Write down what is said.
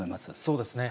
そうですね。